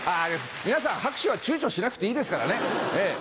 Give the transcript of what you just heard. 皆さん拍手はちゅうちょしなくていいですからね。